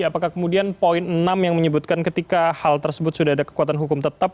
apakah kemudian poin enam yang menyebutkan ketika hal tersebut sudah ada kekuatan hukum tetap